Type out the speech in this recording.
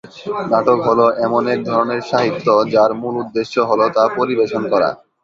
নাটক হলো এমন এক ধরনের সাহিত্য, যার মূল উদ্দেশ্য হলো তা পরিবেশন করা।